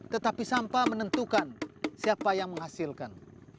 tetapi sampah menentukan siapa yang menghasilkan